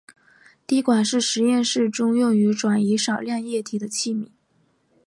滴管是实验室中用于转移少量液体的器皿。